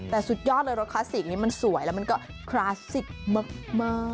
แต่สุดยอดเลยรถคลาสสิกนี้มันสวยแล้วมันก็คลาสสิกมาก